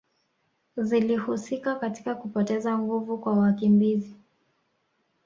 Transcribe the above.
zilihusika katika kupoteza nguvu kwa wakimbizi